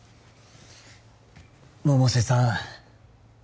百瀬さん